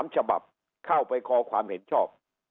๓ฉบับเข้าไปขอความเห็นชอบ